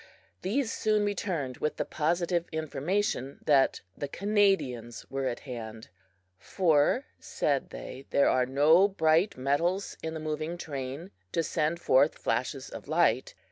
These soon returned with the positive information that the Canadians were at hand, "for," said they, "there are no bright metals in the moving train to send forth flashes of light.